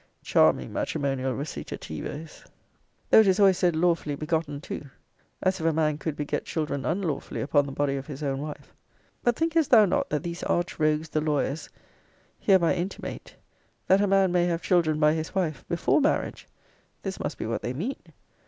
Charming matrimonial recitativoes! though it is always said lawfully begotten too as if a man could beget children unlawfully upon the body of his own wife. But thinkest thou not that these arch rogues the lawyers hereby intimate, that a man may have children by his wife before marriage? This must be what they mean.